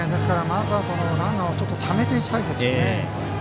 まずはランナーをためていきたいですね。